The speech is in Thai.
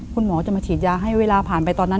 คุณหมอจะมาฉีดยาให้เวลาผ่านไปตอนนั้น